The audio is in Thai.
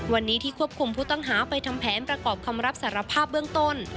วันนี้ที่ควบคุมผู้ต้องหาไปทำแผนประกอบคำรับสารภาพเบื้องต้น